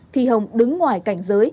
thì hồng đứng ngoài cảnh giới